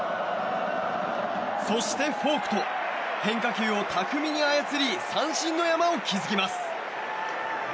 そして、フォークと変化球を巧みに操り三振の山を築きます。